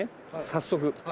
早速。